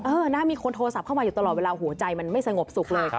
นะมีคนโทรศัพท์เข้ามาอยู่ตลอดเวลาหัวใจมันไม่สงบสุขเลย